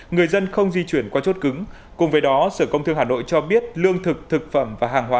người dân không di chuyển qua chốt cứng cùng với đó sở công thương hà nội cho biết lương thực thực phẩm và hàng hóa